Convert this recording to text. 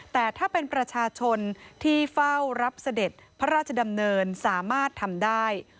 แต่ถ้าเป็นประชาชนที่เฝ้ารับเสด็จพระราชดำเนินสามารถทำได้